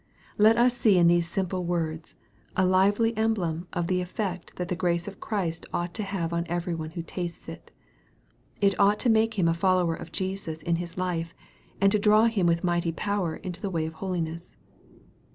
Let us see in these simple words, a lively emblem of the effect that the grace of Christ ought to have on every one who tastes it. It ought to make him a follower of Jesus in his life, and to draw him with mighty power into the way of holiness.